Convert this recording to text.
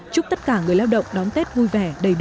chúc tất cả người lao động đón tết vui vẻ đầy đủ